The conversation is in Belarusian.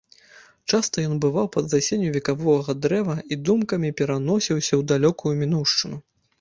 Часта ён бываў пад засенню векавога дрэва і думкамі пераносіўся ў далёкую мінуўшчыну.